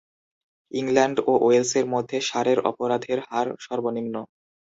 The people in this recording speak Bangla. ইংল্যান্ড ও ওয়েলসের মধ্যে সারের অপরাধের হার সর্বনিম্ন।